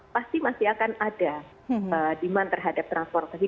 pasti masih akan ada demand terhadap transportasi